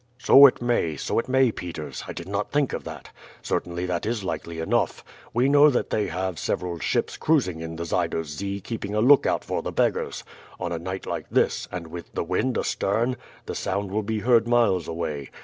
"So it may, so it may, Peters; I did not think of that. Certainly that is likely enough. We know they have several ships cruising in the Zuider Zee keeping a lookout for the beggars. On a night like this, and with the wind astern, the sound will be heard miles away.